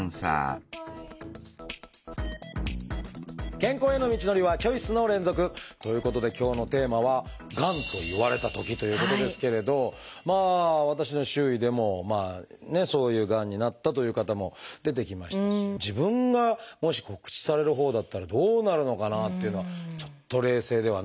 健康への道のりはチョイスの連続！ということで今日のテーマは私の周囲でもまあねそういうがんになったという方も出てきましたし自分がもし告知されるほうだったらどうなるのかなっていうのはちょっと冷静ではね。